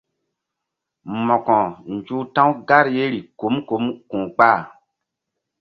Mo̧ko nzuh ta̧w gar yeri kum kum ku̧ kpah.